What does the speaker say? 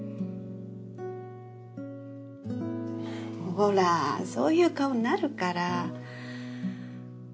ほらそういう顔になるから。